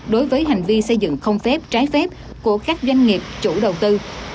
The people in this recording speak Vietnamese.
đối với hành vi xây dựng không phép trái phép của các doanh nghiệp chủ đầu tư